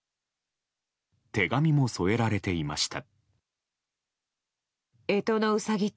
手紙も添えられていました。